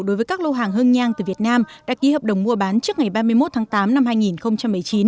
đối với các lô hàng hưng nhang từ việt nam đã ký hợp đồng mua bán trước ngày ba mươi một tháng tám năm hai nghìn một mươi chín